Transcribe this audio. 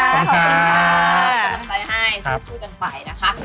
กำลังใจให้สู้สู้กันไปนะคะ